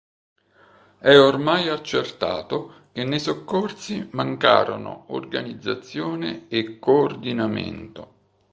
È ormai accertato che nei soccorsi mancarono organizzazione e coordinamento.